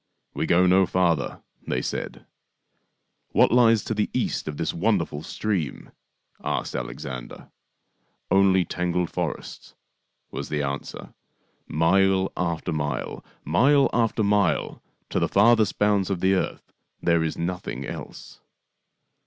" We go no farther," they said. " What lies to the east of this wonderful stream ?" asked Alexander. " Only tangled forests," was the answer. " Mile after mile, mile after mile, to the farthest bounds of the earth there is nothing else."